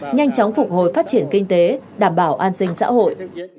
nhanh chóng phục hồi phát triển kinh tế đảm bảo an sinh xã hội